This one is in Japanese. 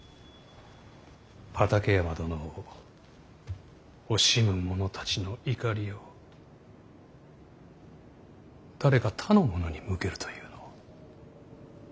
畠山殿を惜しむ者たちの怒りを誰か他の者に向けるというのは。